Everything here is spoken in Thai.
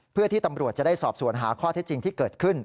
เพื่อที่ตำรวจจะได้สอบสวนหาข้อเท็จจริงที่เกิดขึ้น